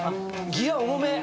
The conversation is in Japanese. ギア重め！